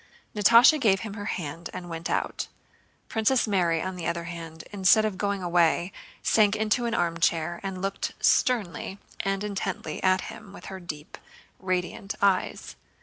Natásha gave him her hand and went out. Princess Mary on the other hand instead of going away sank into an armchair, and looked sternly and intently at him with her deep, radiant eyes.